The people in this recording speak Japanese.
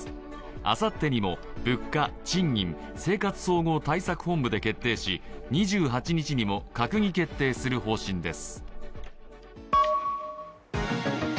あさってにも物価・賃金・生活総合対策本部で決定し２８日にも閣議決定する方針です。